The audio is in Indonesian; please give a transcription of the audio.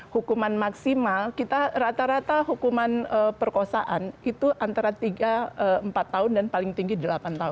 hukuman maksimal kita rata rata hukuman perkosaan itu antara tiga empat tahun dan paling tinggi delapan tahun